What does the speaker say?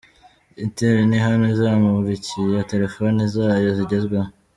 Itel ni hano izamurikia Telephone zayo zigezweho.